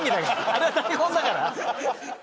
あれは台本だから。